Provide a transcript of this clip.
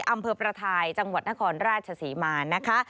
อำเภอประทายจังหวัดนครราชศรีมานะคะ